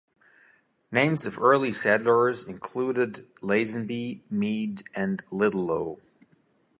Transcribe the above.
Names of early settlers included Lazenby, Mead, and Liddelow.